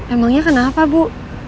emangnya kenapa bu